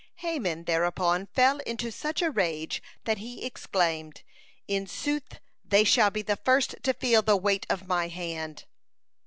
Haman thereupon fell into such a rage that he exclaimed: "In sooth, they shall be the first to feel the weight of my hand."